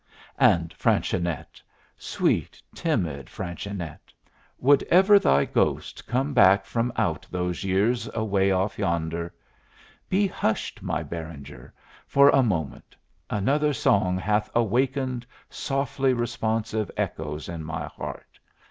And Fanchonette sweet, timid little Fanchonette! would ever thy ghost come back from out those years away off yonder? Be hushed, my Beranger, for a moment; another song hath awakened softly responsive echoes in my heart!